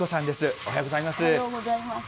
おはようございます。